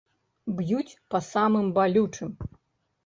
Б'юць па самым балючым.